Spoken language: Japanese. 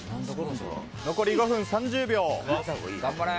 残り５分３０秒。